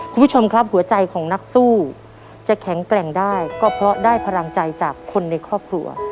คุณผู้ชมครับหัวใจของนักสู้จะแข็งแกร่งได้ก็เพราะได้พลังใจจากคนในครอบครัว